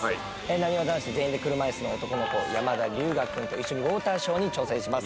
なにわ男子全員で車椅子の男の子山田龍芽君と一緒にウオーターショーに挑戦します。